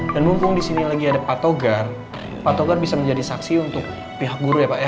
dan mumpung disini lagi ada pak togar pak togar bisa menjadi saksi untuk pihak guru ya pak ya